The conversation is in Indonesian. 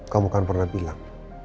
kamu kan pernah bilang